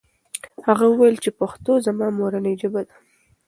هغه وویل چې پښتو زما مورنۍ ژبه ده.